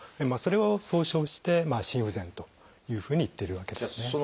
それを総称して「心不全」というふうに言っているわけですね。